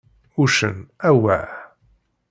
Uccen: Awah!